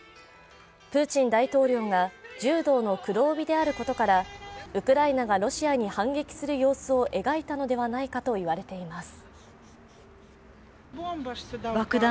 プーチン大統領が柔道の黒帯であることからウクライナがロシアに反撃する様子を描いたのではないかといわれています。